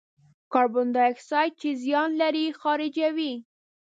کاربن دای اکساید چې زیان لري، خارجوي.